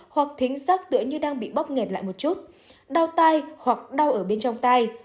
hoặc thính rác tựa như đang bị bóp nghẹt lại một chút đau tai hoặc đau ở bên trong tay